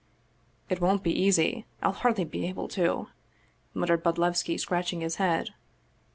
"" It won't be easy. I'll hardly be able to !" muttered Bodlevski, scratching his head.